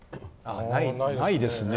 ないですね。